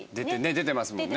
出てますもんね。